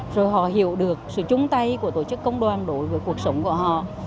rồi họ hiểu được sự chung tay của tổ chức công đoàn đối với cuộc sống của họ